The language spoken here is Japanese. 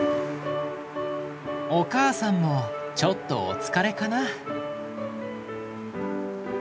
お母さんもちょっとお疲れかな。